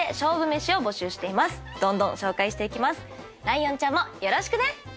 ライオンちゃんもよろしくね。